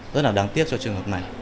rất là đáng tiếc cho trường hợp này